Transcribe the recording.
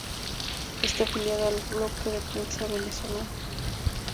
Está afiliado al Bloque de Prensa Venezolano.